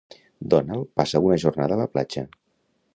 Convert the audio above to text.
Donald passa una jornada a la platja.